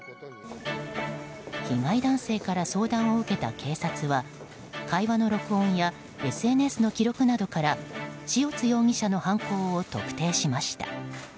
被害男性から相談を受けた警察は会話の録音やＳＮＳの記録などから塩津容疑者の犯行を特定しました。